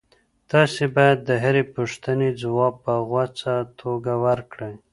تاسي باید د هرې پوښتنې ځواب په غوڅه توګه ورکړئ.